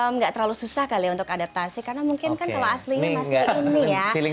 nggak terlalu susah kali untuk adaptasi karena mungkin kan kalau aslinya pasti ini ya